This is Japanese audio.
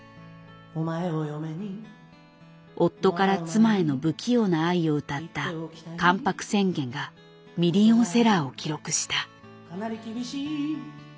夫から妻への不器用な愛を歌った「関白宣言」がミリオンセラーを記録した。